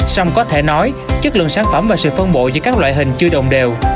xong có thể nói chất lượng sản phẩm và sự phân bộ giữa các loại hình chưa đồng đều